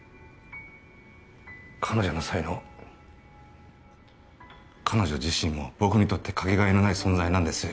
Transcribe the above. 彼女の才能彼女自身も僕にとってかけがえのない存在なんです